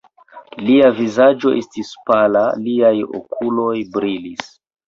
Lia vizaĝo estis pala, liaj okuloj brilis.